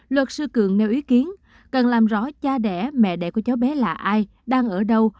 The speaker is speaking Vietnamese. luật sư cường nêu ý kiến cần làm rõ cha đẻ mẹ đẻ của cháu bé là ai đang ở đâu